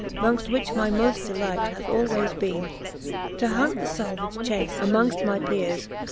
Mongft which my moft delight hath alwaies been, To hunt the falvage chace amongfl: my peres.